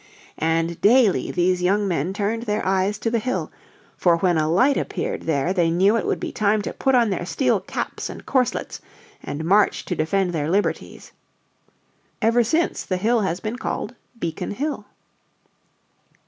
And daily these young men turned their eyes to the hill, for when a light appeared there they knew it would be time to put on their steel caps and corslets and march to defend their liberties. Ever since the hill has been called Beacon Hill.